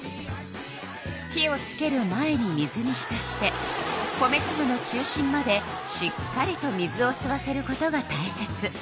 火をつける前に水に浸して米つぶの中心までしっかりと水をすわせることがたいせつ。